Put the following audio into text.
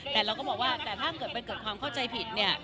แต่เราก็บอกว่าแต่ถ้าเกิดมันเกิดความเข้าใจผิดเนี่ย